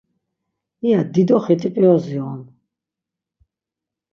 İya dido xit̆ip̌iyozi on.